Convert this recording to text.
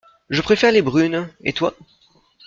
Je préfère les brunes, et toi?